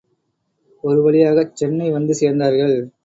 ஒரு வழியாகச் சென்னை வந்து சேர்ந்தார்கள்.